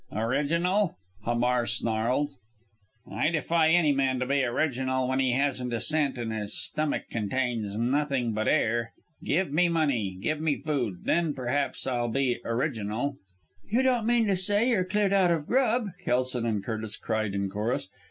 "Original!" Hamar snarled. "I defy any man to be original when he hasn't a cent, and his stomach contains nothing but air. Give me money, give me food then, perhaps, I'll be original." "You don't mean to say you're cleared out of grub!" Kelson and Curtis cried in chorus.